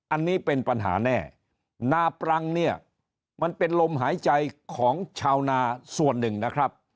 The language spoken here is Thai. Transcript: อันนี้เป็นปัญหาแน่นาปรังเนี่ยมันเป็นลมหายใจของชาวนาส่วนหนึ่งนะครับ